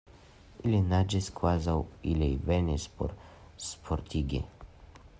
Ili naĝis kvazaŭ ili venis por sportigi.